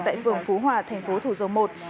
tại phường phú hòa thành phố thủ dầu một